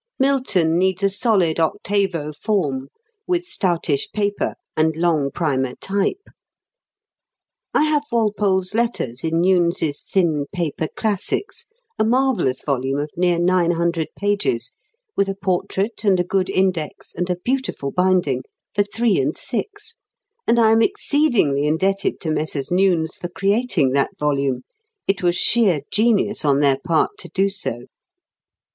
Milton needs a solid octavo form, with stoutish paper and long primer type. I have "Walpole's Letters" in Newnes's "Thin Paper Classics," a marvellous volume of near nine hundred pages, with a portrait and a good index and a beautiful binding, for three and six, and I am exceedingly indebted to Messrs. Newnes for creating that volume. It was sheer genius on their part to do so.